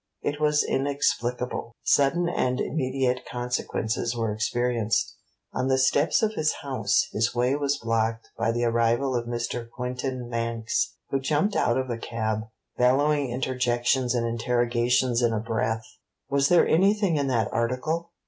It was inexplicable. Sudden and immediate consequences were experienced. On the steps of his house his way was blocked by the arrival of Mr. Quintin Manx, who jumped out of a cab, bellowing interjections and interrogations in a breath. Was there anything in that article?